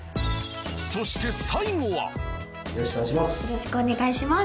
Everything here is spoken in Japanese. そして最後はよろしくお願いします